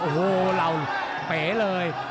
โอ้โหเราเป๋เลย